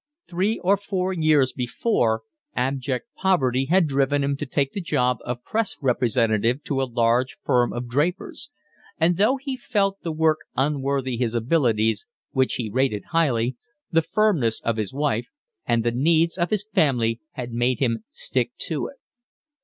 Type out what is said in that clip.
Three or four years before abject poverty had driven him to take the job of press representative to a large firm of drapers; and though he felt the work unworthy his abilities, which he rated highly, the firmness of his wife and the needs of his family had made him stick to it.